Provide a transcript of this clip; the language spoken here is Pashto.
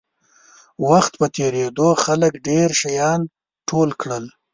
وخت په تېرېدو خلکو ډېر شیان ټول کړل.